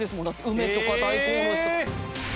梅とか大根おろしとか。